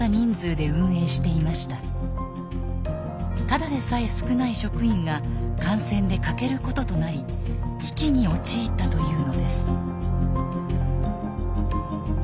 ただでさえ少ない職員が感染で欠けることとなり危機に陥ったというのです。